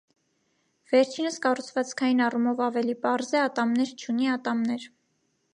Վերջինս կառուցվածքային առումով ավելի պարզ է, ատամներ չունի ատամներ։